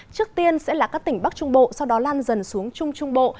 trước tiên sẽ là các tỉnh bắc trung bộ sau đó lan dần xuống trung trung bộ